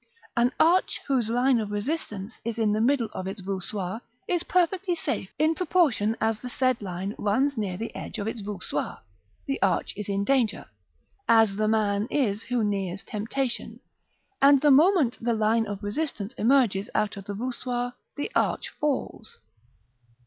An arch whose line of resistance is in the middle of its voussoirs is perfectly safe: in proportion as the said line runs near the edge of its voussoirs, the arch is in danger, as the man is who nears temptation; and the moment the line of resistance emerges out of the voussoirs the arch falls.